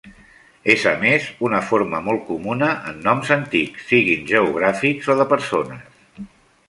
És a més una forma molt comuna en noms antics, siguin geogràfics o de persones.